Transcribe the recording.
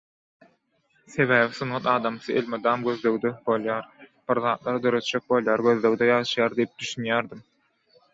Sebäbi sungat adamsy elmydam gözlegde bolýar, bir zatlar döretjek bolýar, gözlegde ýaşaýar diýip düşünýärdim.